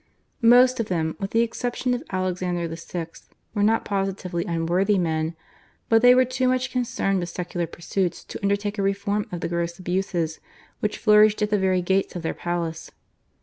Most of them, with the exception of Alexander VI., were not positively unworthy men, but they were too much concerned with secular pursuits to undertake a reform of the gross abuses which flourished at the very gates of their palace.